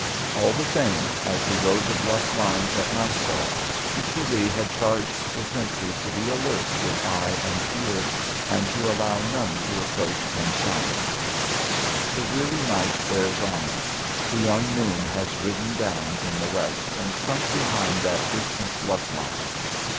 All the same, as he rode the bluff lines at nightfall, Mr. Lee had charged the sentries to be alert with eye and ear, and to allow none to approach unchallenged. The weary night wears on. The young moon has ridden down in the west and sunk behind that distant bluff line.